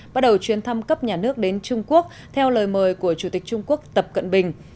bắt đầu chuyến thăm cấp nhà nước đến trung quốc theo lời mời của chủ tịch trung quốc tập cận bình